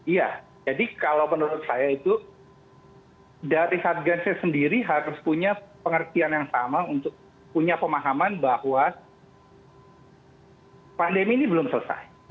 iya jadi kalau menurut saya itu dari satgasnya sendiri harus punya pengertian yang sama untuk punya pemahaman bahwa pandemi ini belum selesai